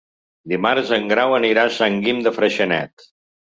Dimarts en Grau anirà a Sant Guim de Freixenet.